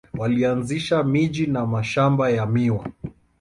Walianzisha miji na mashamba ya miwa.